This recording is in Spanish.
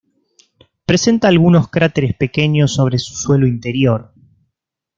Presenta algunos cráteres pequeños sobre su suelo interior.